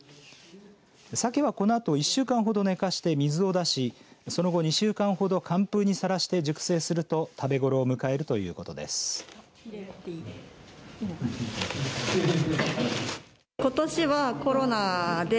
サケは、このあと１週間ほど寝かして水を出しその後、２週間ほど寒風にさらして熟成すると食べごろを迎えるということです。